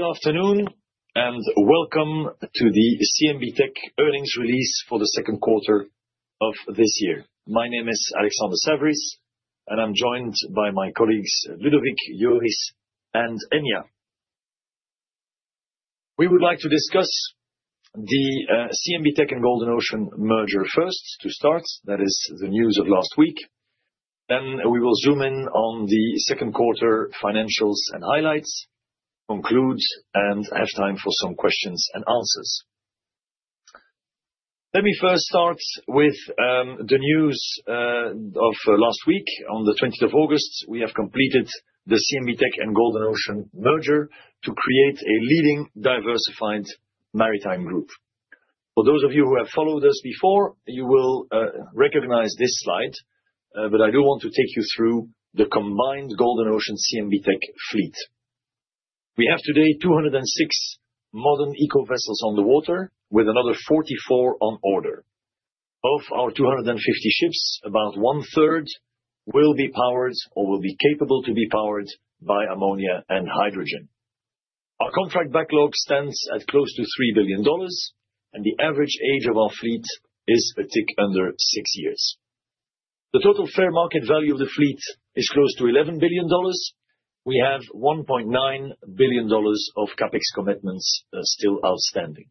Good afternoon and welcome to the CMB.TECH NV earnings release for the second quarter of this year. My name is Alexander Saverys and I'm joined by my colleagues Ludovic, Joris, and Enya. We would like to discuss the CMB.TECH NV and Golden Ocean Group merger first to start. That is the news of last week. Next, we will zoom in on the second quarter financials and highlights, conclude and have time for some questions and answers. Let me first start with the news of last week. On the 20th of August, we have completed the CMB.TECH NV and Golden Ocean Group merger to create a leading diversified maritime group. For those of you who have followed us before, you will recognize this slide, but I do want to take you through the combined Golden Ocean Group CMB.TECH NV fleet. We have today 206 modern eco-vessels on the water with another 44 on order. Of our 250 ships, about one third will be powered or will be capable to be powered by ammonia and hydrogen. Our contract backlog stands at close to $3 billion and the average age of our fleet is a tick under six years. The total fair market value of the fleet is close to $11 billion. We have $1.9 billion of CapEx commitments still outstanding.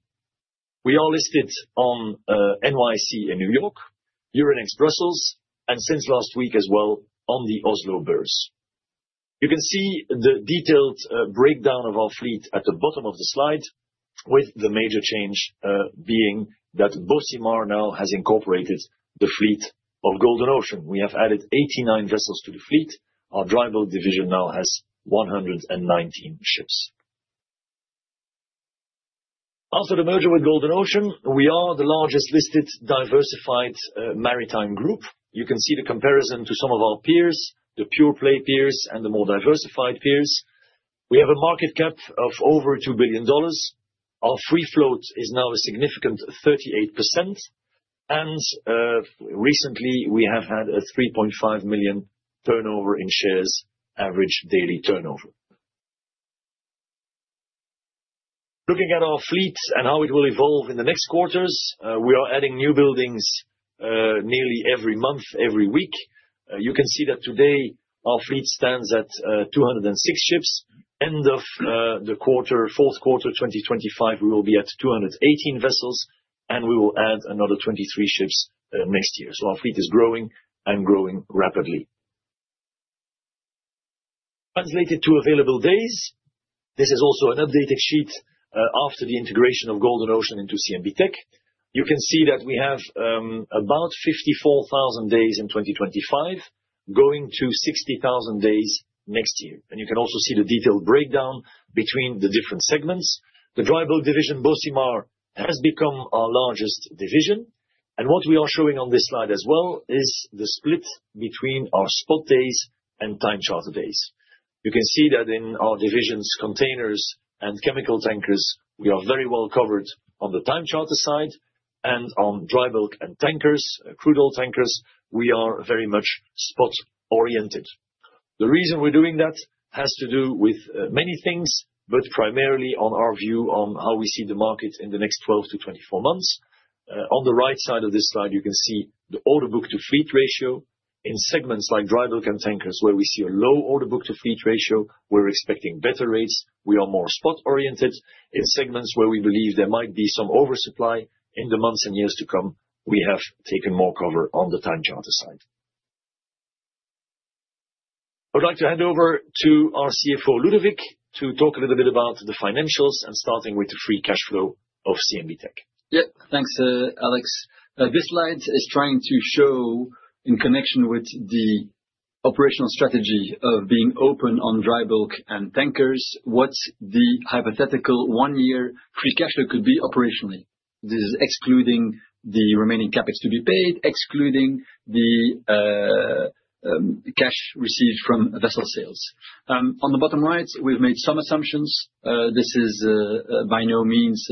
We are listed on the NYSE in New York, Euronext Brussels, and since last week as well on the Oslo Børs. You can see the detailed breakdown of our fleet at the bottom of the slide with the major change being that Bocimar now has incorporated the fleet of Golden Ocean Group. We have added 89 vessels to the fleet. Our dry bulk division now has 119 ships. After the merger with Golden Ocean Group, we are the largest listed diversified maritime group. You can see the comparison to some of our peers, the pure play peers and the more diversified peers. We have a market cap of over $2 billion. Our free float is now a significant 38% and recently we have had a 3.5 million turnover in shares, average daily turnover. Looking at our fleet and how it will evolve in the next quarters, we are adding new buildings nearly every month, every week. You can see that today our fleet stands at 206 ships. End of the quarter, fourth quarter 2025, we will be at 218 vessels and we will add another 23 ships next year. Our fleet is growing and growing rapidly. Translated to available days, this is also an updated sheet after the integration of Golden Ocean Group into CMB.TECH NV. You can see that we have about 54,000 days in 2025 going to 60,000 days next year. You can also see the detailed breakdown between the different segments. The dry bulk division Bocimar has become our largest division. What we are showing on this slide as well is the split between our spot days and time charter days. You can see that in our divisions, containers and chemical tankers, we are very well covered on the time charter side, and on dry bulk and tankers, crude oil tankers, we are very much spot oriented. The reason we're doing that has to do with many things, but primarily on our view on how we see the market in the next 12-24 months. On the right side of this slide, you can see the order book-to-fleet ratio in segments like dry bulk and tankers where we see a low order book-to-fleet ratio. We're expecting better rates. We are more spot oriented in segments where we believe there might be some oversupply in the months and years to come. We have taken more cover on the time charter side. I'd like to hand over to our CFO, Ludovic, to talk a little bit about the financials and starting with the free cash flow of CMB.TECH NV. Yeah, thanks Alex. This slide is trying to show in connection with the operational strategy of being open on dry bulk and tankers what the hypothetical one year free cash flow could be operationally. This is excluding the remaining CapEx to be paid, excluding the cash received from vessel sales. On the bottom right, we've made some assumptions. This is by no means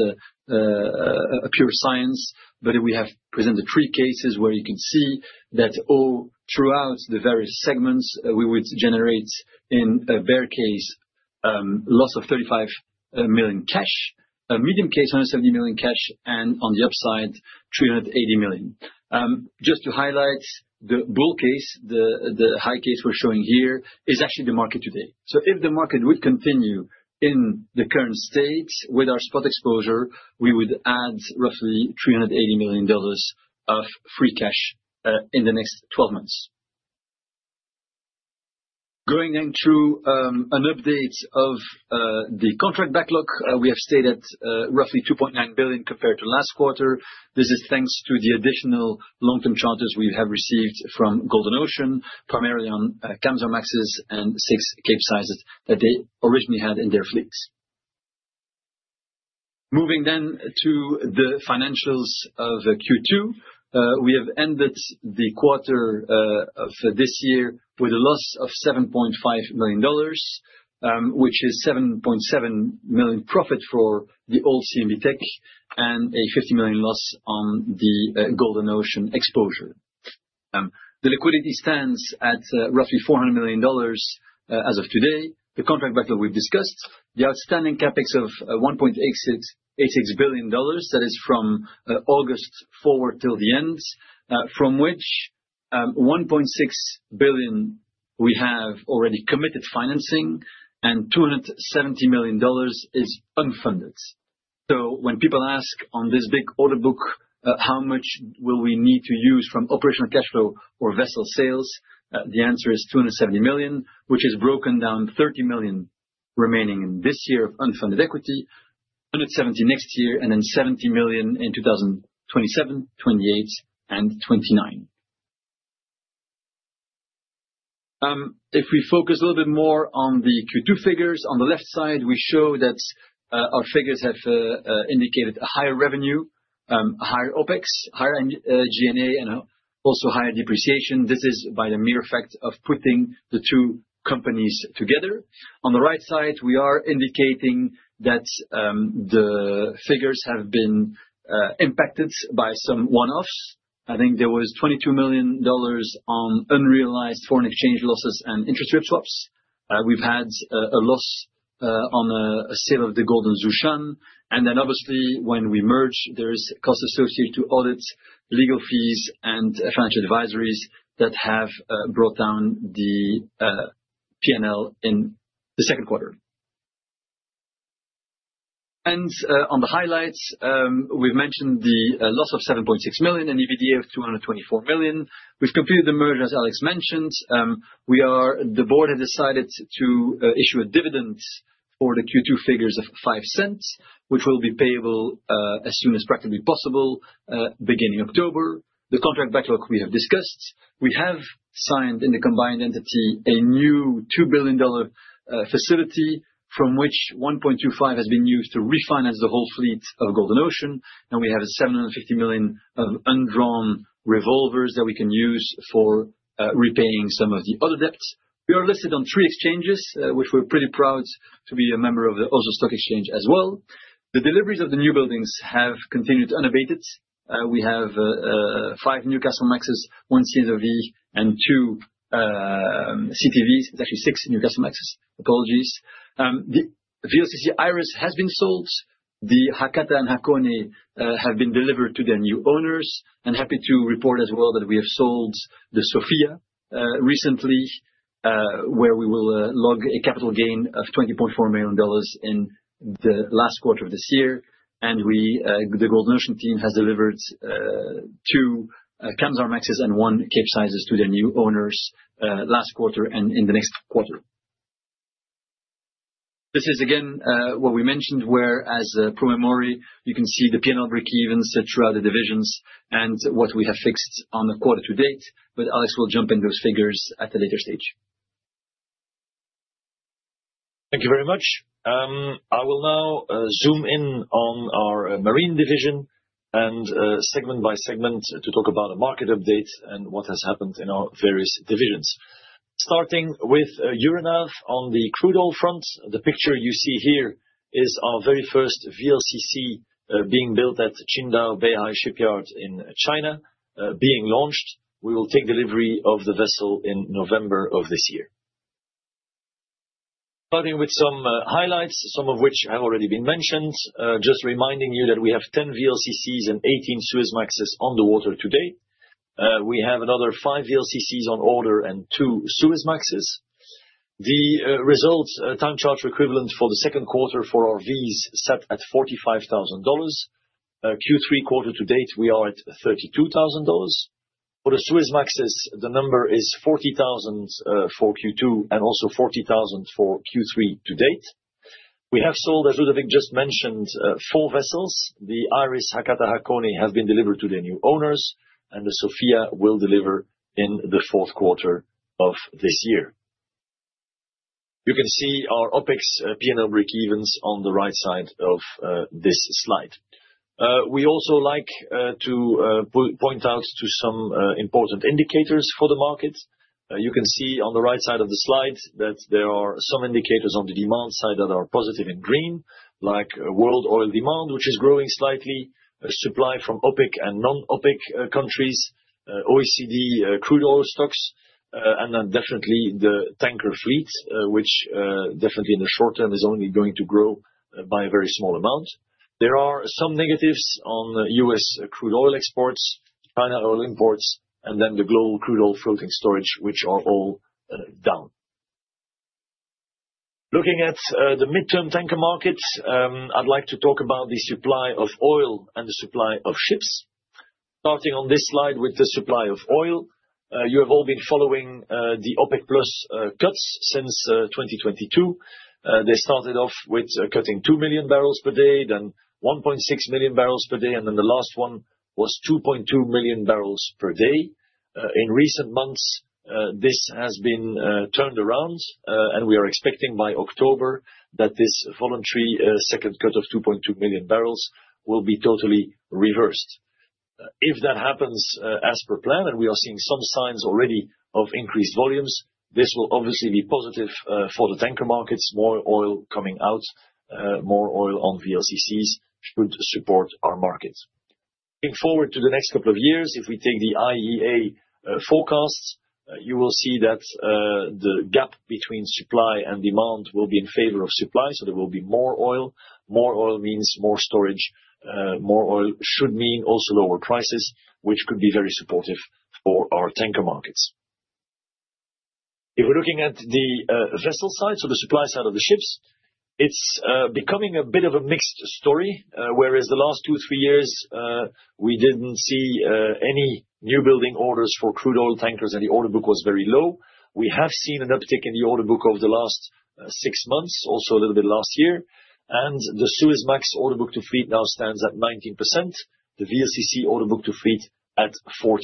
a pure science, but we have presented three cases where you can see that all throughout the various segments we would generate in a bear case loss of $35 million cash, a medium case $170 million cash, and on the upside $380 million. Just to highlight the bull case, the high case we're showing here is actually the market today. If the market would continue in the current state with our spot exposure, we would add roughly $380 million of free cash in the next 12 months. Going then through an update of the contract backlog, we have stayed at roughly $2.9 billion compared to last quarter. This is thanks to the additional long-term charters we have received from Golden Ocean Group, primarily on Kamsarmaxes and six capesizes that they originally had in their fleets. Moving then to the financials of Q2, we have ended the quarter of this year with a loss of $7.5 million, which is $7.7 million profit for the old CMB.TECH NV and a $50 million loss on the Golden Ocean Group exposure. The liquidity stands at roughly $400 million as of today. The contract backlog we've discussed, the outstanding CapEx of $1.86 billion that is from August forward till the end, from which $1.6 billion we have already committed financing and $270 million is unfunded. When people ask on this big order book, how much will we need to use from operational cash flow or vessel sales, the answer is $270 million, which is broken down $30 million remaining in this year of unfunded equity, $170 million next year, and then $70 million in 2027, 2028, and 2029. If we focus a little bit more on the Q2 figures, on the left side we show that our figures have indicated a higher revenue, a higher OpEx, higher G&A, and also higher depreciation. This is by the mere fact of putting the two companies together. On the right side, we are indicating that the figures have been impacted by some one-offs. I think there was $22 million on unrealized foreign exchange losses and interest rate swaps. We've had a loss on a sale of the Golden Zhoushan. Obviously, when we merge, there's costs associated to audits, legal fees, and financial advisories that have brought down the P&L in the second quarter. On the highlights, we've mentioned the loss of $7.6 million and EBITDA of $224 million. We've completed the merger, as Alex mentioned. The board has decided to issue a dividend for the Q2 figures of $0.05, which will be payable as soon as practically possible beginning October. The contract backlog we have discussed, we have signed in the combined entity a new $2 billion facility from which $1.25 billion has been used to refinance the whole fleet of Golden Ocean Group. We have $750 million of undrawn revolvers that we can use for repaying some of the other debts. We are listed on three exchanges, and we're pretty proud to be a member of the Oslo Børs as well. The deliveries of the new buildings have continued unabated. We have five Newcastlemaxes, one CSOV, and two CTVs. It's actually six Newcastlemaxes. Apologies. The VLCC Iris has been sold. The Hakata and Hakone have been delivered to their new owners. I'm happy to report as well that we have sold the Sofia recently, where we will log a capital gain of $20.4 million in the last quarter of this year. The Golden Ocean Group team has delivered two Kamsarmaxes and one capesize to their new owners last quarter and in the next quarter. This is again what we mentioned, where as a promemory, you can see the P&L break evens throughout the divisions and what we have fixed on the quarter to date. Alex will jump in those figures at a later stage. Thank you very much. I will now zoom in on our marine division and segment by segment to talk about a market update and what has happened in our various divisions. Starting with Euronav on the crude oil front, the picture you see here is our very first VLCC being built at Qingdao Beihai Shipyard in China, being launched. We will take delivery of the vessel in November of this year. Starting with some highlights, some of which have already been mentioned, just reminding you that we have 10 VLCCs and 18 Suezmaxes on the water today. We have another five VLCCs on order and two Suezmaxes. The result time charter equivalent for the second quarter for our Vs sat at $45,000. Q3 quarter to date, we are at $32,000. For the Suezmaxes, the number is $40,000 for Q2 and also $40,000 for Q3 to date. We have sold, as Ludovic just mentioned, four vessels. The Iris, Hakata, Hakone have been delivered to their new owners, and the Sofia will deliver in the fourth quarter of this year. You can see our OpEx P&L breakevens on the right side of this slide. We also like to point out some important indicators for the market. You can see on the right side of the slide that there are some indicators on the demand side that are positive in green, like world oil demand, which is growing slightly, supply from OPEC and non-OPEC countries, OECD crude oil stocks, and then definitely the tanker fleet, which definitely in the short term is only going to grow by a very small amount. There are some negatives on U.S. crude oil exports, China oil imports, and then the global crude oil floating storage, which are all down. Looking at the midterm tanker markets, I'd like to talk about the supply of oil and the supply of ships. Starting on this slide with the supply of oil, you have all been following the OPEC+ cuts since 2022. They started off with cutting 2 million barrels per day, then 1.6 million barrels per day, and then the last one was 2.2 million barrels per day. In recent months, this has been turned around and we are expecting by October that this voluntary second cut of 2.2 million barrels will be totally reversed. If that happens as per plan, and we are seeing some signs already of increased volumes, this will obviously be positive for the tanker markets. More oil coming out, more oil on VLCCs could support our markets. Looking forward to the next couple of years, if we take the IEA forecasts, you will see that the gap between supply and demand will be in favor of supply. There will be more oil. More oil means more storage. More oil should mean also lower prices, which could be very supportive for our tanker markets. If we're looking at the vessel side, the supply side of the ships, it's becoming a bit of a mixed story, whereas the last two, three years we didn't see any new building orders for crude oil tankers and the order book was very low. We have seen an uptick in the order book over the last six months, also a little bit last year. The Suezmax order book to fleet now stands at 19%, the VLCC order book to fleet at 14%.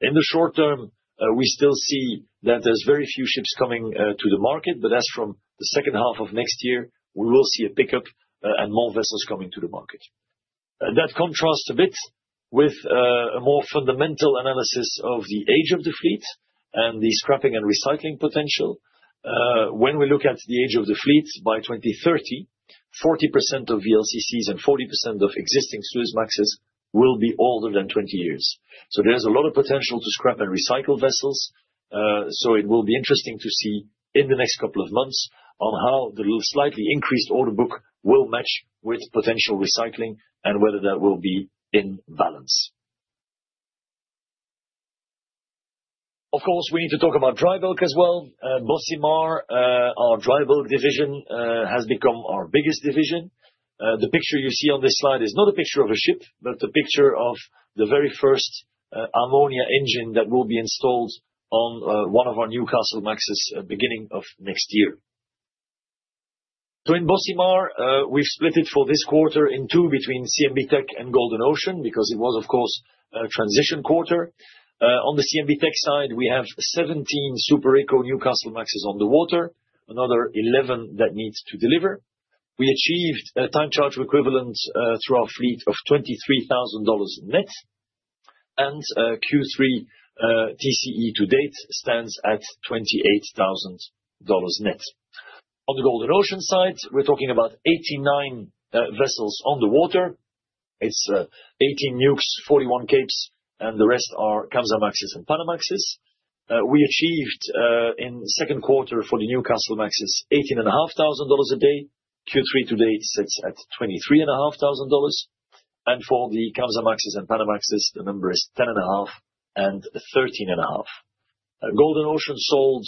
In the short term, we still see that there's very few ships coming to the market, but as from the second half of next year, we will see a pickup and more vessels coming to the market. That contrasts a bit with a more fundamental analysis of the age of the fleet and the scrapping and recycling potential. When we look at the age of the fleet by 2030, 40% of VLCCs and 40% of existing Suezmaxes will be older than 20 years. There's a lot of potential to scrap and recycle vessels. It will be interesting to see in the next couple of months how the slightly increased order book will match with potential recycling and whether that will be in balance. Of course, we need to talk about dry bulk as well. Bocimar, our dry bulk division, has become our biggest division. The picture you see on this slide is not a picture of a ship, but the picture of the very first ammonia engine that will be installed on one of our Newcastlemaxes beginning of next year. In Bocimar, we've split it for this quarter in two between CMB.TECH NV and Golden Ocean Group because it was, of course, a transition quarter. On the CMB.TECH NV side, we have 17 Super Eco Newcastlemaxes on the water, another 11 that need to deliver. We achieved a time charter equivalent through our fleet of $23,000 net, and Q3 TCE to date stands at $28,000 net. On the Golden Ocean Group side, we're talking about 89 vessels on the water. It's 18 Nukes, 41 Capes, and the rest are Kamsarmaxes and panamaxes. We achieved in the second quarter for the Newcastlemaxes $18,500 a day. Q3 to date sits at $23,500. For the Kamsarmaxes and panamaxes, the number is $10,500 and $13,500. Golden Ocean Group sold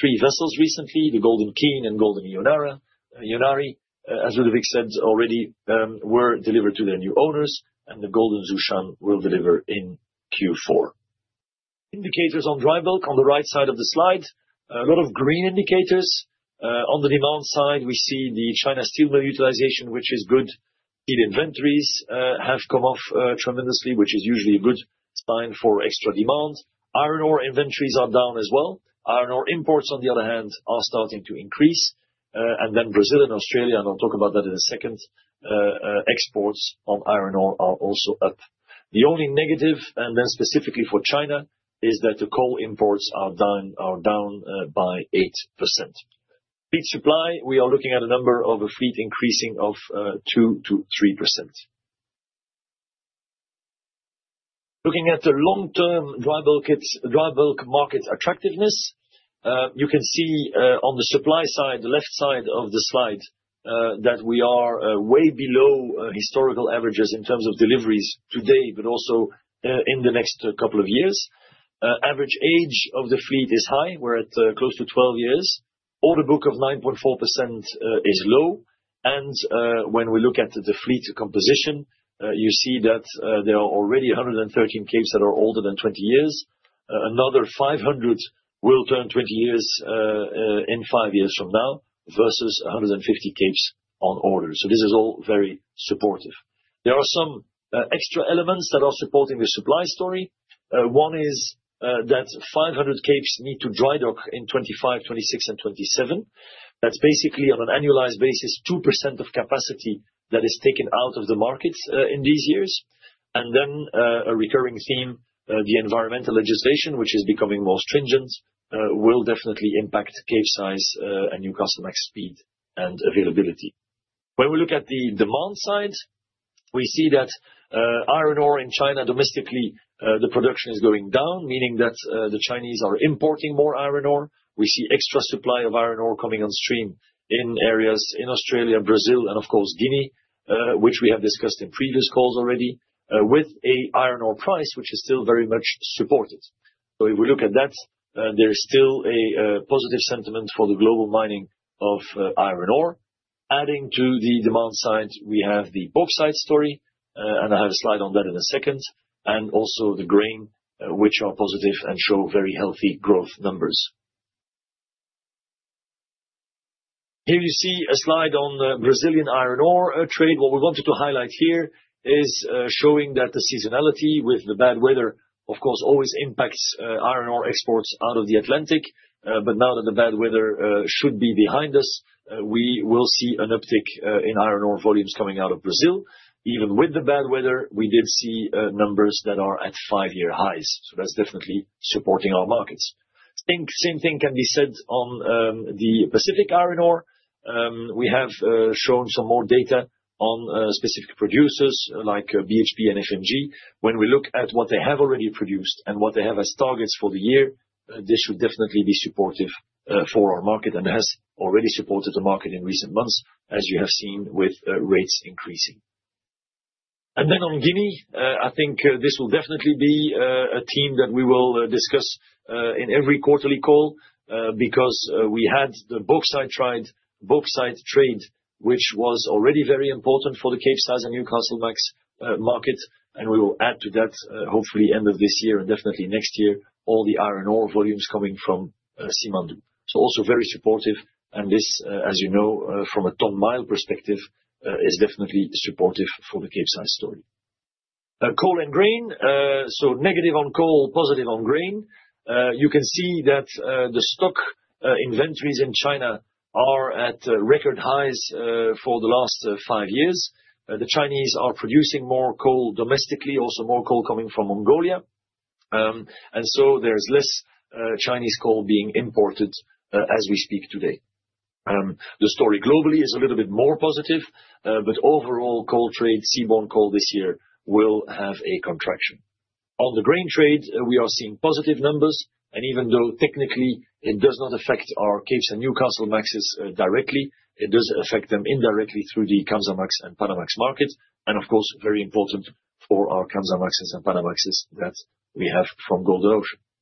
three vessels recently, the Golden Keen and Golden Ionari, as Ludovic said already, were delivered to their new owners, and the Golden Zhoushan will deliver in Q4. Indicators on dry bulk on the right side of the slide, a lot of green indicators. On the demand side, we see the China steel mill utilization, which is good. Steel inventories have come off tremendously, which is usually a good sign for extra demand. Iron ore inventories are down as well. Iron ore imports, on the other hand, are starting to increase. Brazil and Australia, and I'll talk about that in a second, exports on iron ore are also up. The only negative, and then specifically for China, is that the coal imports are down by 8%. Fleet supply, we are looking at a number of a fleet increasing of 2%-3%. Looking at the long-term dry bulk market attractiveness, you can see on the supply side, the left side of the slide, that we are way below historical averages in terms of deliveries today, but also in the next couple of years. Average age of the fleet is high. We're at close to 12 years. Order book of 9.4% is low. When we look at the fleet composition, you see that there are already 113 Capes that are older than 20 years. Another 500 will turn 20 years in five years from now versus 150 Capes on order. This is all very supportive. There are some extra elements that are supporting the supply story. One is that 500 Capes need to dry dock in 2025, 2026, and 2027. That's basically on an annualized basis, 2% of capacity that is taken out of the markets in these years. A recurring theme, the environmental legislation, which is becoming more stringent, will definitely impact capesize and Newcastlemax speed and availability. When we look at the demand side, we see that iron ore in China domestically, the production is going down, meaning that the Chinese are importing more iron ore. We see extra supply of iron ore coming on stream in areas in Australia, Brazil, and of course Guinea, which we have discussed in previous calls already, with an iron ore price which is still very much supported. If we look at that, there's still a positive sentiment for the global mining of iron ore. Adding to the demand side, we have the offsite story, and I have a slide on that in a second, and also the grain, which are positive and show very healthy growth numbers. Here you see a slide on the Brazilian iron ore trade. What we wanted to highlight here is showing that the seasonality with the bad weather, of course, always impacts iron ore exports out of the Atlantic. Now that the bad weather should be behind us, we will see an uptick in iron ore volumes coming out of Brazil. Even with the bad weather, we did see numbers that are at five-year highs. That's definitely supporting our markets. I think the same thing can be said on the Pacific iron ore. We have shown some more data on specific producers like BHP and FMG. When we look at what they have already produced and what they have as targets for the year, this should definitely be supportive for our market and has already supported the market in recent months, as you have seen with rates increasing. On Guinea, I think this will definitely be a theme that we will discuss in every quarterly call because we had the offsite trade, which was already very important for the capesize and Newcastlemax market. We will add to that hopefully end of this year and definitely next year, all the iron ore volumes coming from Simandou. Also very supportive. This, as you know, from a ton mile perspective, is definitely supportive for the capesize story. Coal and grain, so negative on coal, positive on grain. You can see that the stock inventories in China are at record highs for the last five years. The Chinese are producing more coal domestically, also more coal coming from Mongolia. There's less Chinese coal being imported as we speak today. The story globally is a little bit more positive, but overall coal trade, seaborne coal this year will have a contraction. On the grain trade, we are seeing positive numbers. Even though technically it does not affect our Capes and Newcastlemaxes directly, it does affect them indirectly through the Kamsarmax and Panamax market. Of course, very important for our Kamsarmaxes and panamaxes that we have from Golden Ocean Group.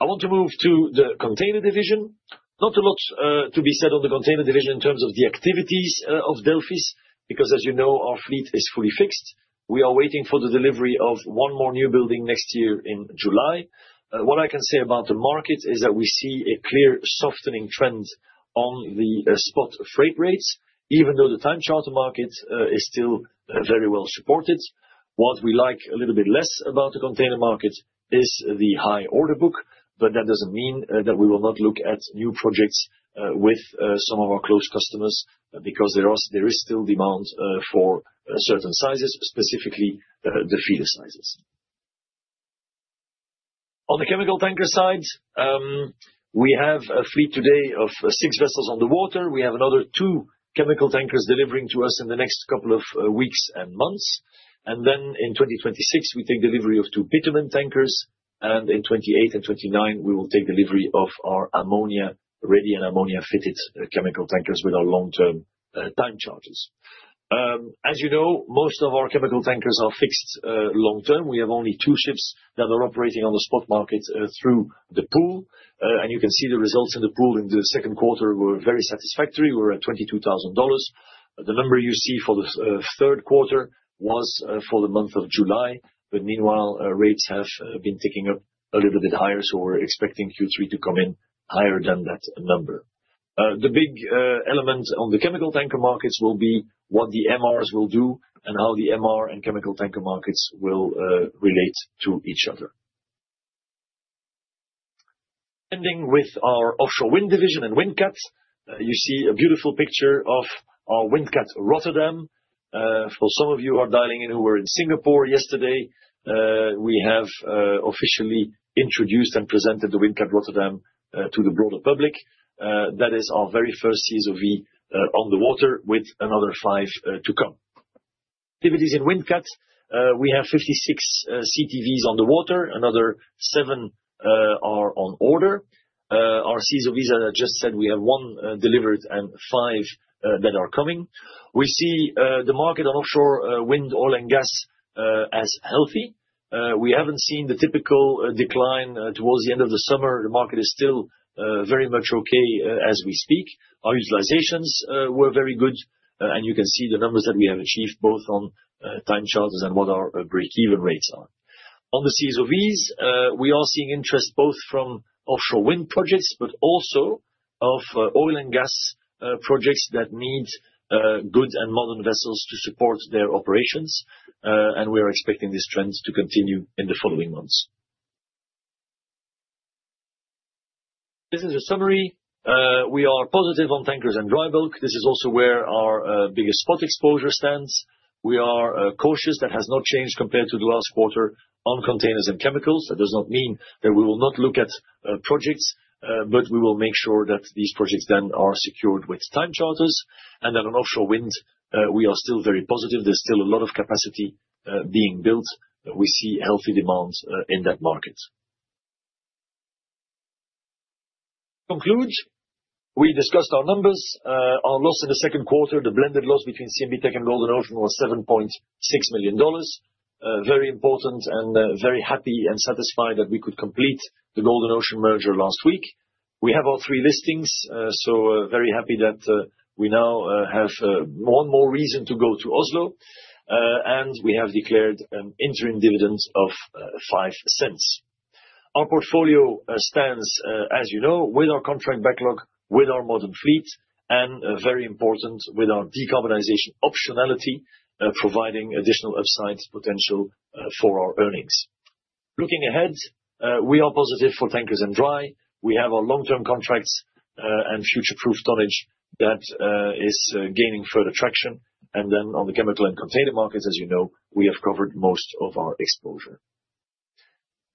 I want to move to the container division. Not a lot to be said on the container division in terms of the activities of Delphis because, as you know, our fleet is fully fixed. We are waiting for the delivery of one more newbuilding next year in July. What I can say about the market is that we see a clear softening trend on the spot freight rates, even though the time charter market is still very well supported. What we like a little bit less about the container market is the high order book, but that doesn't mean that we will not look at new projects with some of our close customers because there is still demand for certain sizes, specifically the feeder sizes. On the chemical tanker side, we have a fleet today of six vessels on the water. We have another two chemical tankers delivering to us in the next couple of weeks and months. In 2026, we take delivery of two Peterman tankers. In 2028 and 2029, we will take delivery of our ammonia-ready and ammonia-fitted chemical tankers with our long-term time charters. As you know, most of our chemical tankers are fixed long term. We have only two ships that are operating on the spot market through the pool. You can see the results in the pool in the second quarter were very satisfactory. We're at $22,000. The number you see for the third quarter was for the month of July. Meanwhile, rates have been ticking up a little bit higher. We're expecting Q3 to come in higher than that number. The big elements on the chemical tanker markets will be what the MRs will do and how the MR and chemical tanker markets will relate to each other. Ending with our offshore wind division and Windcat, you see a beautiful picture of our Windcat Rotterdam. For some of you who are dialing in who were in Singapore yesterday, we have officially introduced and presented the Windcat Rotterdam to the broader public. That is our very first CSOV on the water with another five to come. Activities in Windcat, we have 56 CTVs on the water. Another seven are on order. Our CSOVs, as I just said, we have one delivered and five that are coming. We see the market on offshore wind, oil, and gas as healthy. We haven't seen the typical decline towards the end of the summer. The market is still very much okay as we speak. Our utilizations were very good. You can see the numbers that we have achieved both on time charters and what our break-even rates are. On the CSOVs, we are seeing interest both from offshore wind projects, but also from oil and gas projects that need good and modern vessels to support their operations. We are expecting this trend to continue in the following months. This is a summary. We are positive on tankers and dry bulk. This is also where our biggest spot exposure stands. We are cautious. That has not changed compared to the last quarter on containers and chemicals. That does not mean that we will not look at projects, but we will make sure that these projects then are secured with time charters. On offshore wind, we are still very positive. There's still a lot of capacity being built. We see healthy demands in that market. To conclude, we discussed our numbers. Our loss in the second quarter, the blended loss between CMB.TECH NV and Golden Ocean Group, was $7.6 million. Very important and very happy and satisfied that we could complete the Golden Ocean Group merger last week. We have all three listings. Very happy that we now have one more reason to go to Oslo. We have declared interim dividends of $0.05. Our portfolio stands, as you know, with our contract backlog, with our modern fleet, and very important with our decarbonization optionality, providing additional upside potential for our earnings. Looking ahead, we are positive for tankers and dry. We have our long-term contracts and future-proofed tonnage that is gaining further traction. On the chemical and container markets, as you know, we have covered most of our exposure.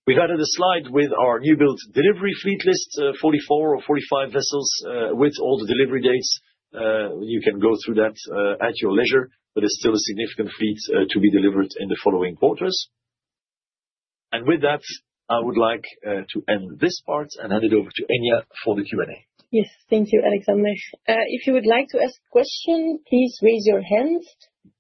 We've added a slide with our newbuild delivery fleet list, 44 or 45 vessels, with all the delivery dates. You can go through that at your leisure, but it's still a significant fleet to be delivered in the following quarters. With that, I would like to end this part and hand it over to Enya for the Q&A. Yes, thank you, Alexander. If you would like to ask a question, please raise your hand.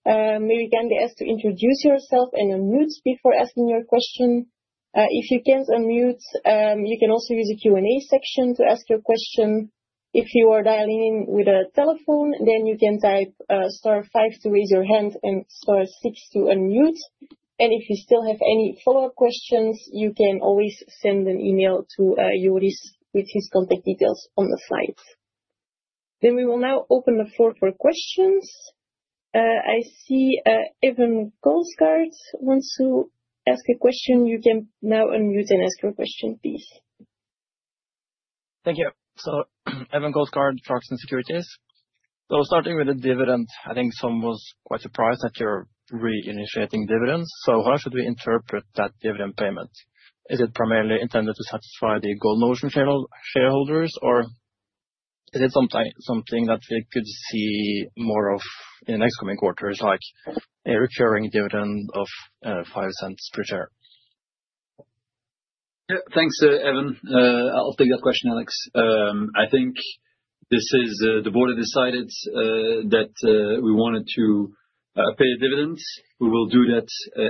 You can be asked to introduce yourself and unmute before asking your question. If you can't unmute, you can also use the Q&A section to ask your question. If you are dialing in with a telephone, you can type star five to raise your hand and star six to unmute. If you still have any follow-up questions, you can always send an email to Joris with his contact details on the slides. We will now open the floor for questions. I see Even Kolsgaard wants to ask a question. You can now unmute and ask your question, please. Thank you. Even Kolsgaard, Clarksons Securities. Starting with the dividend, I think someone was quite surprised that you're reinitiating dividends. How should we interpret that dividend payment? Is it primarily intended to satisfy the Golden Ocean Group shareholders, or is it something that we could see more of in the next coming quarters, like a recurring dividend of $0.05 per share? Yeah, thanks, Even. I'll take that question, Alex. I think this is the board that decided that we wanted to pay the dividends. We will do that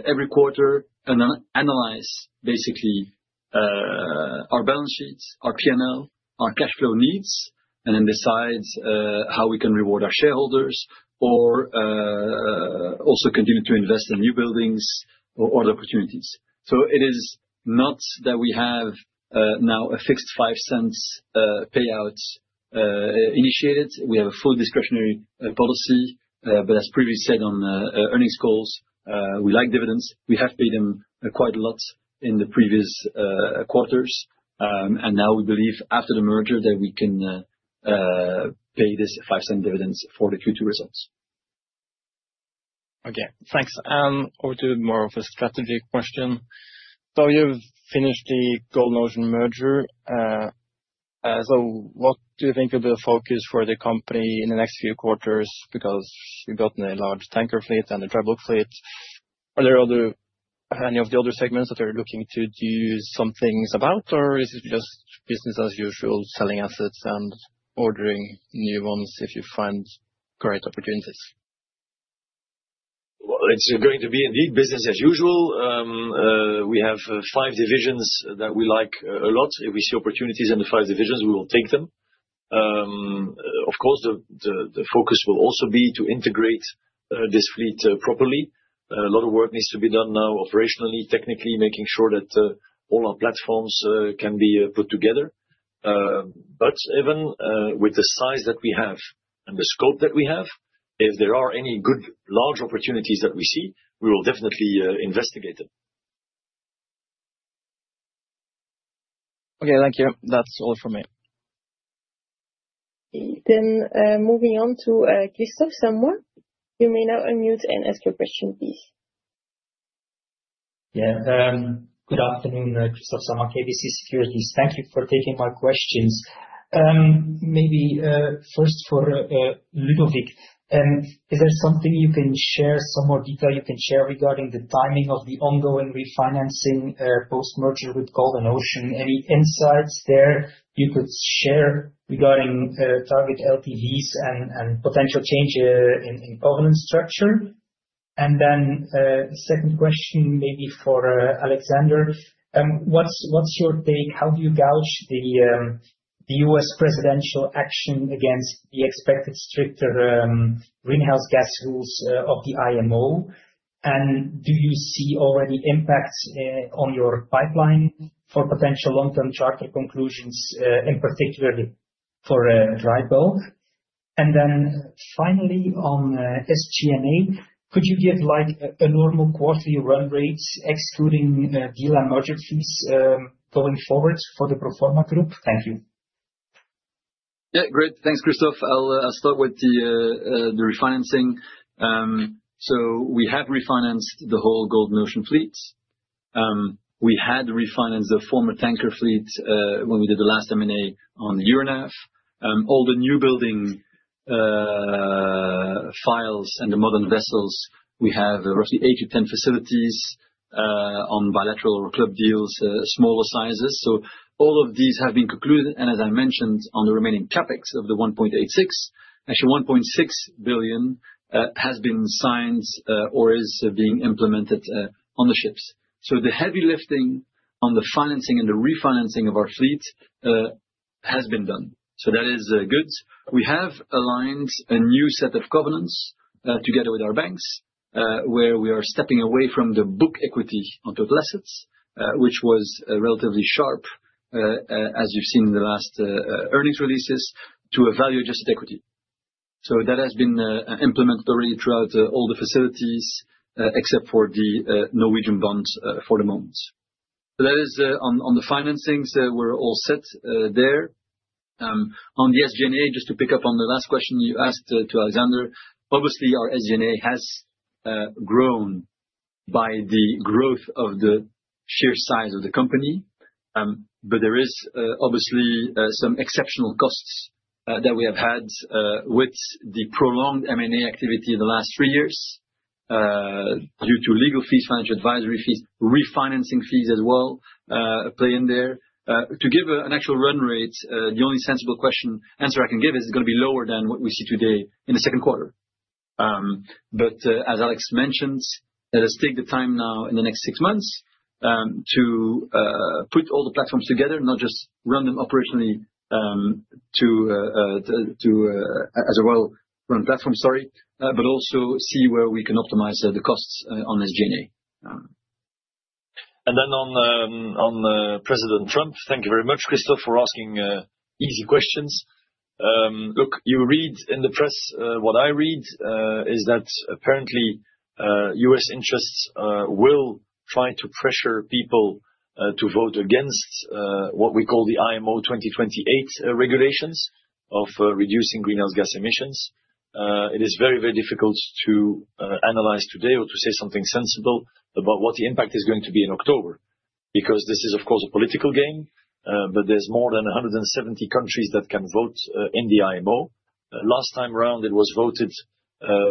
every quarter and analyze basically our balance sheets, our P&L, our cash flow needs, and then decide how we can reward our shareholders or also continue to invest in new buildings or other opportunities. It is not that we have now a fixed $0.05 payout initiated. We have a full discretionary policy, but as previously said on earnings calls, we like dividends. We have paid them quite a lot in the previous quarters. Now we believe after the merger that we can pay this $0.05 dividends for the Q2 results. Okay, thanks. I'll do more of a strategy question. You've finished the Golden Ocean Group merger. What do you think of the focus for the company in the next few quarters because you've gotten a large tanker fleet and a dry bulk fleet? Are there any of the other segments that you're looking to do some things about, or is it just business as usual, selling assets and ordering new ones if you find great opportunities? It is going to be indeed business as usual. We have five divisions that we like a lot. If we see opportunities in the five divisions, we will take them. Of course, the focus will also be to integrate this fleet properly. A lot of work needs to be done now operationally, technically, making sure that all our platforms can be put together. Even with the size that we have and the scope that we have, if there are any good large opportunities that we see, we will definitely investigate them. Okay, thank you. That's all for me. Moving on to Kristof Samoy. You may now unmute and ask your question, please. Yeah, good afternoon, Kristof Samoy, KBC Securities. Thank you for taking my questions. Maybe first for Ludovic. Is there something you can share, some more detail you can share regarding the timing of the ongoing refinancing post-merger with Golden Ocean Group? Any insights there you could share regarding target LTVs and potential change in governance structure? A second question, maybe for Alexander. What's your take? How do you gauge the U.S. presidential action against the expected stricter greenhouse gas rules of the IMO? Do you see already impacts on your pipeline for potential long-term charter conclusions, particularly for dry bulk? Finally, on SG&A, could you give like a normal quarterly run rate, excluding dealer emergencies going forward for the Proforma group? Thank you. Yeah, great. Thanks, Kristof. I'll start with the refinancing. We have refinanced the whole Golden Ocean Group fleet. We had refinanced the former tanker fleet when we did the last M&A on Euronav. All the new building files and the modern vessels, we have roughly 8 to 10 facilities on bilateral or club deals, smaller sizes. All of these have been concluded. As I mentioned, on the remaining CapEx of the $1.86 billion, actually $1.6 billion has been signed or is being implemented on the ships. The heavy lifting on the financing and the refinancing of our fleet has been done. That is good. We have aligned a new set of covenants together with our banks, where we are stepping away from the book equity on total assets, which was relatively sharp, as you've seen in the last earnings releases, to a value-adjusted equity. That has been implemented throughout all the facilities, except for the Norwegian bond for the moment. That is on the financings. We're all set there. On the SG&A, just to pick up on the last question you asked to Alexander, obviously, our SG&A has grown by the growth of the sheer size of the company. There is obviously some exceptional costs that we have had with the prolonged M&A activity in the last three years due to legal fees, financial advisory fees, refinancing fees as well play in there. To give an actual run rate, the only sensible answer I can give is it's going to be lower than what we see today in the second quarter. As Alex mentioned, let us take the time now in the next six months to put all the platforms together, not just run them operationally as a well-run platform, but also see where we can optimize the costs on SG&A. On President Trump, thank you very much, Kristof, for asking easy questions. Look, you read in the press. What I read is that apparently U.S. interests will try to pressure people to vote against what we call the IMO 2028 regulations of reducing greenhouse gas emissions. It is very, very difficult to analyze today or to say something sensible about what the impact is going to be in October because this is, of course, a political game. There are more than 170 countries that can vote in the IMO. Last time around, it was voted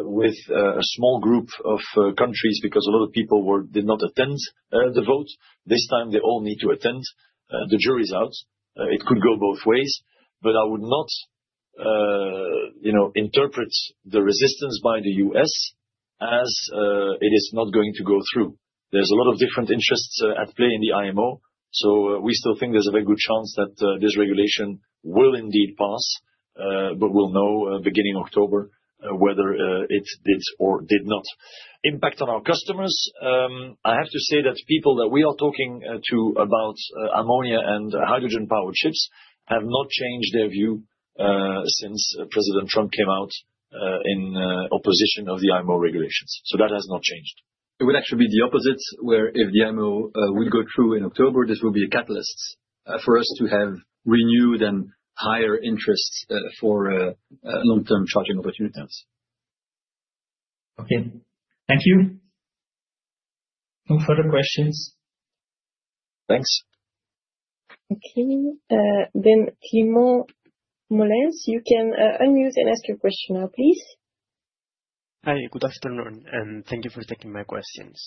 with a small group of countries because a lot of people did not attend the vote. This time, they all need to attend. The jury's out. It could go both ways. I would not interpret the resistance by the U.S. as it is not going to go through. There are a lot of different interests at play in the IMO. We still think there's a very good chance that this regulation will indeed pass, but we'll know beginning October whether it did or did not. Impact on our customers, I have to say that people that we are talking to about ammonia and hydrogen-powered ships have not changed their view since President Trump came out in opposition of the IMO regulations. That has not changed. It would actually be the opposite, where if the IMO would go through in October, this will be a catalyst for us to have renewed and higher interests for long-term charging opportunities. Okay. Thank you. No further questions. Thanks. Okay. Climent Molins, you can unmute and ask your question now, please. Hi, good afternoon, and thank you for taking my questions.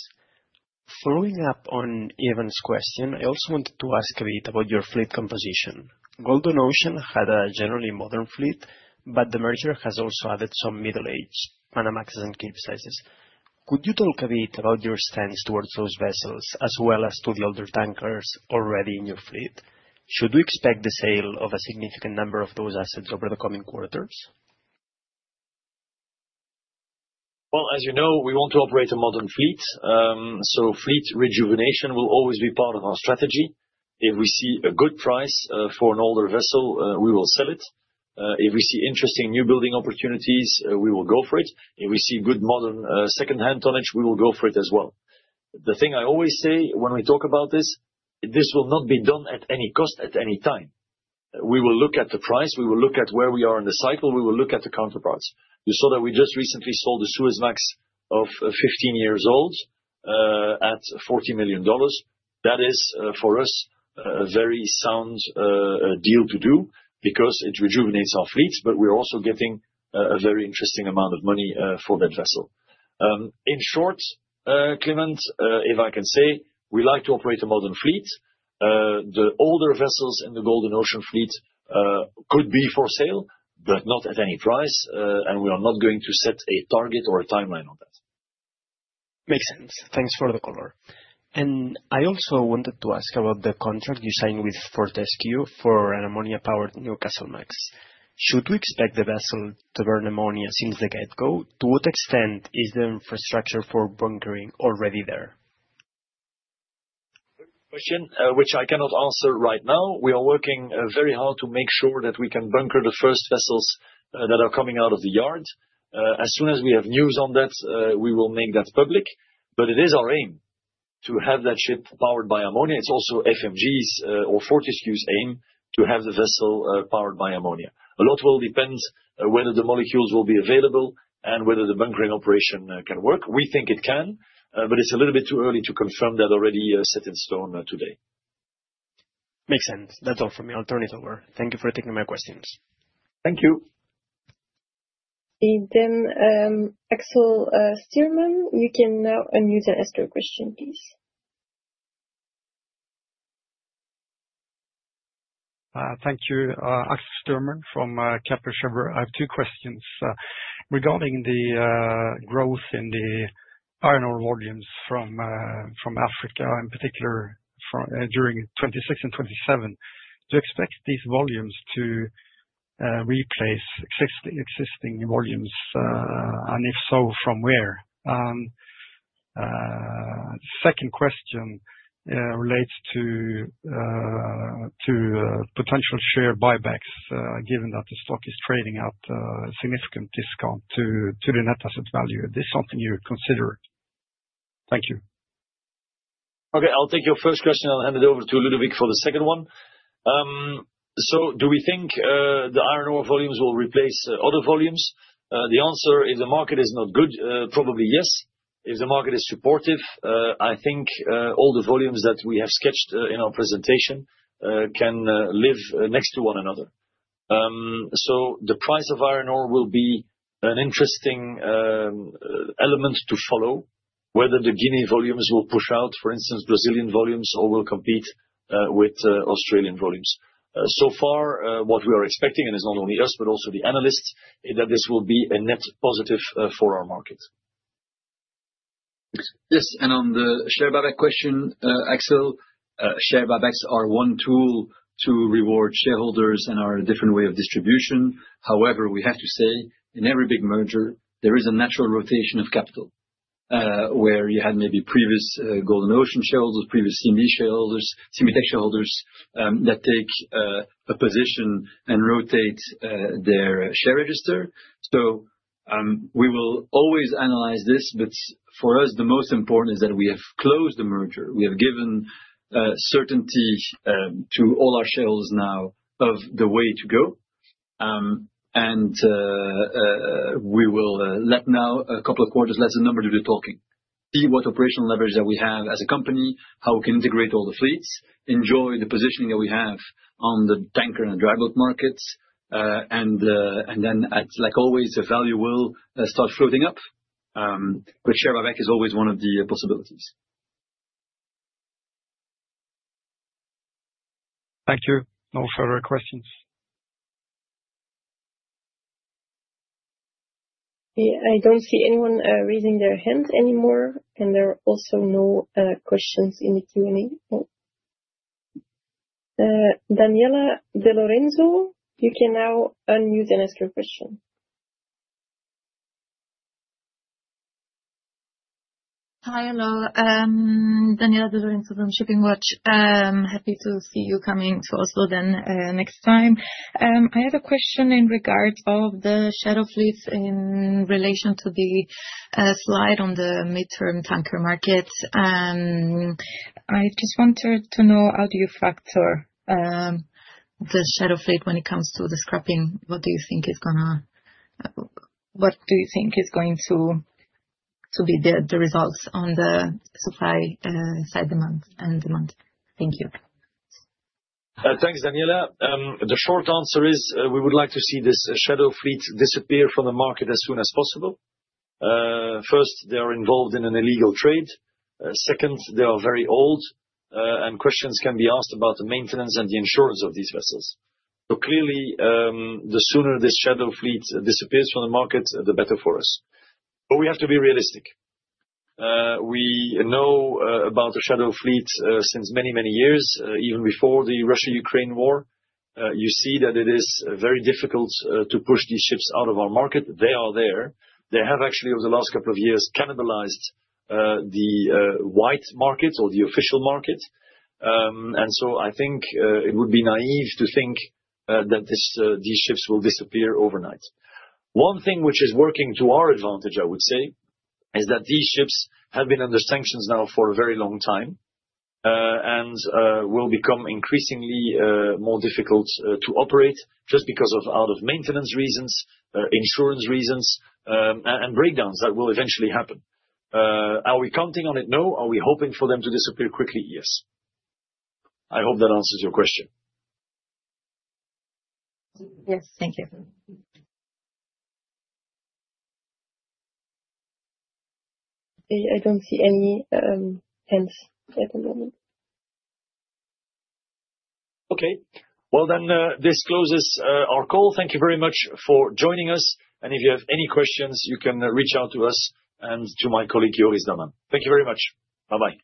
Following up on Even's question, I also wanted to ask a bit about your fleet composition. Golden Ocean Group had a generally modern fleet, but the merger has also added some middle-aged panamaxes and capesizes. Could you talk a bit about your stance towards those vessels as well as to the older tankers already in your fleet? Should we expect the sale of a significant number of those assets over the coming quarters? As you know, we want to operate a modern fleet. Fleet rejuvenation will always be part of our strategy. If we see a good price for an older vessel, we will sell it. If we see interesting new building opportunities, we will go for it. If we see good modern second-hand tonnage, we will go for it as well. The thing I always say when we talk about this is this will not be done at any cost at any time. We will look at the price. We will look at where we are in the cycle. We will look at the counterparts. You saw that we just recently sold the Suezmax of 15 years old at $40 million. That is for us a very sound deal to do because it rejuvenates our fleets, but we're also getting a very interesting amount of money for that vessel. In short, Climent, if I can say, we like to operate a modern fleet. The older vessels in the Golden Ocean Group fleet could be for sale, but not at any price. We are not going to set a target or a timeline on that. Makes sense. Thanks for the call. I also wanted to ask about the contract you signed with Fortescue Metals Group for an ammonia-fueled Newcastlemax. Should we expect the vessel to burn ammonia since the get-go? To what extent is the infrastructure for bunkering already there? Question which I cannot answer right now. We are working very hard to make sure that we can bunker the first vessels that are coming out of the yard. As soon as we have news on that, we will make that public. It is our aim to have that ship powered by ammonia. It's also FMG's or Fortescue Metals Group aim to have the vessel powered by ammonia. A lot will depend whether the molecules will be available and whether the bunkering operation can work. We think it can, but it's a little bit too early to confirm that already set in stone today. Makes sense. That's all for me. I'll turn it over. Thank you for taking my questions. Thank you. Axel Styrman, you can now unmute and ask your question, please. Thank you. Axel Styrman from Kepler Cheuvreux. I have two questions regarding the growth in the iron ore volumes from Africa, in particular during 2026 and 2027. Do you expect these volumes to replace existing volumes? If so, from where? The second question relates to potential share buybacks, given that the stock is trading at a significant discount to the net asset value. Is this something you consider? Thank you. Okay, I'll take your first question. I'll hand it over to Ludovic for the second one. Do we think the iron ore volumes will replace other volumes? The answer, if the market is not good, probably yes. If the market is supportive, I think all the volumes that we have sketched in our presentation can live next to one another. The price of iron ore will be an interesting element to follow, whether the Guinea volumes will push out, for instance, Brazilian volumes, or will compete with Australian volumes. So far, what we are expecting, and it's not only us, but also the analysts, is that this will be a net positive for our market. Yes. On the share buyback question, Axel, share buybacks are one tool to reward shareholders and are a different way of distribution. However, we have to say, in every big merger, there is a natural rotation of capital, where you had maybe previous Golden Ocean Group shareholders, previous CMB.TECH shareholders that take a position and rotate their share register. We will always analyze this, but for us, the most important is that we have closed the merger. We have given certainty to all our shareholders now of the way to go. We will let now a couple of quarters, less than a number of days, be talking, see what operational leverage that we have as a company, how we can integrate all the fleets, enjoy the positioning that we have on the tanker and dry bulk markets. Like always, the value will start floating up. Share buyback is always one of the possibilities. Thank you. No further questions. I don't see anyone raising their hands anymore, and there are also no questions in the Q&A. Daniela De Lorenzo, you can now unmute and ask your question. Hi, hello. Daniela De Lorenzo, ShippingWatch. Happy to see you coming to Oslo next time. I have a question in regards to the shadow fleets in relation to the slide on the midterm tanker market. I just wanted to know how you factor the shadow fleet when it comes to the scrapping. What do you think is going to be the results on the supply-side and demand? Thank you. Thanks, Daniela. The short answer is we would like to see this shadow fleet disappear from the market as soon as possible. First, they are involved in an illegal trade. Second, they are very old, and questions can be asked about the maintenance and the insurance of these vessels. Clearly, the sooner this shadow fleet disappears from the market, the better for us. We have to be realistic. We know about the shadow fleet since many, many years, even before the Russia-Ukraine war. You see that it is very difficult to push these ships out of our market. They are there. They have actually, over the last couple of years, cannibalized the white markets or the official markets. I think it would be naive to think that these ships will disappear overnight. One thing which is working to our advantage, I would say, is that these ships have been under sanctions now for a very long time and will become increasingly more difficult to operate just because of out-of-maintenance reasons, insurance reasons, and breakdowns that will eventually happen. Are we counting on it now? Are we hoping for them to disappear quickly? Yes. I hope that answers your question. Yes, thank you. I don't see any hands for the moment. Okay. This closes our call. Thank you very much for joining us. If you have any questions, you can reach out to us and to my colleague, Joris Daman. Thank you very much. Bye-bye.